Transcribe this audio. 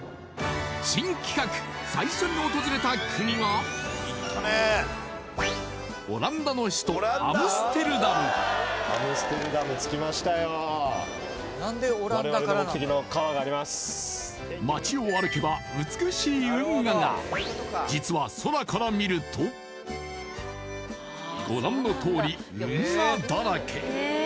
新企画最初に訪れた国はオランダの首都街を歩けば実は空から見るとご覧のとおり運河だらけ